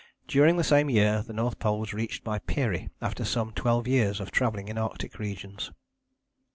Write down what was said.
During the same year the North Pole was reached by Peary after some twelve years of travelling in Arctic regions.